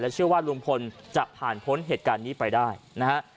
เชื่อว่าลุงพลจะผ่านพ้นเหตุการณ์นี้ไปได้นะฮะ